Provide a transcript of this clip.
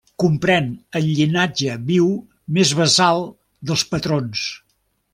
Comprèn el llinatge viu més basal dels patrons.